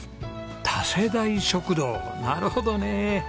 多世代食堂なるほどね！